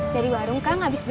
dari warung kang abis beli gula